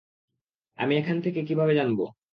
আমি এখান থেকে কীভাবে জানব?